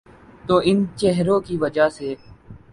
تو ان چہروں کی وجہ سے۔